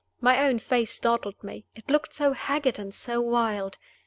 My own face startled me, it looked so haggard and so wild.